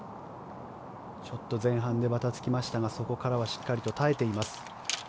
前半でバタつきましたがそこからはしっかりと耐えています。